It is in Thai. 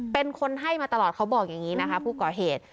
เป็นคนให้มาตลอดเขาบอกอย่างนี้นะคะผู้ก่อเหตุ